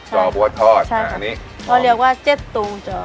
จอเพราะว่าทอดใช่ค่ะอันนี้ก็เรียกว่าเจ็ดตูจอ